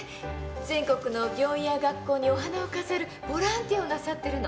全国の病院や学校にお花を飾るボランティアをなさってるの。